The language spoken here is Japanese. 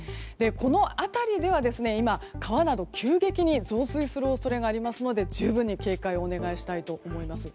この辺りでは今、川など急激に増水する恐れがありますので十分に警戒をお願いしたいと思います。